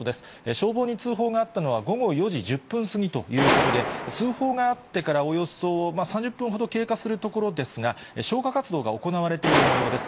消防に通報があったのは、午後４時１０分過ぎということで、通報があってからおよそ３０分ほど経過するところですが、消火活動が行われているもようです。